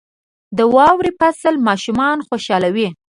• د واورې فصل ماشومان خوشحالوي.